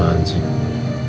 dan akhirnya cinta sama aku